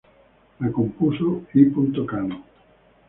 La compuso I. Cano.